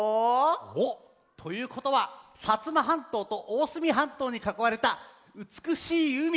おっということは摩半島と大隅半島にかこまれたうつくしいうみ